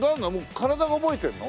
体が覚えてるの？